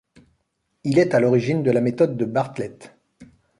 Il est à l'origine de la Méthode de Bartlett.